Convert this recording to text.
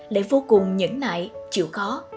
lại vô cùng nhẫn nại chịu khó